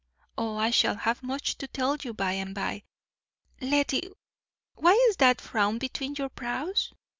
Oh, I shall have much to tell you by and by. Lettie, why is that frown between your brows?"